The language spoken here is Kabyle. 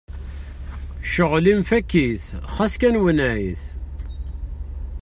Cɣel-im fak-it u xas kan wenneɛ-it!